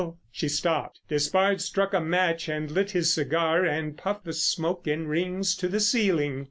She stopped. Despard struck a match and lit his cigar and puffed the smoke in rings to the ceiling.